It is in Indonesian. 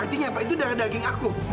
artinya apa itu darah daging aku